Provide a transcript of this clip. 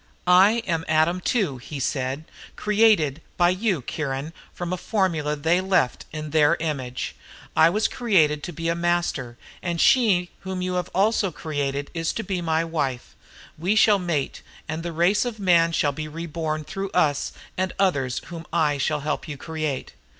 "I am Adam Two," he said. "Created, by you Kiron from a formula they left, in their image. I was created to be a Master and she whom you also have created is to be my wife. We shall mate and the race of Man shall be reborn through us and others whom I shall help you create."